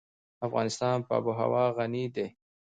افغانستان په آب وهوا غني دی.